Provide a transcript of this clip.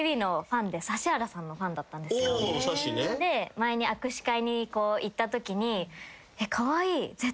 前に握手会に行ったときに。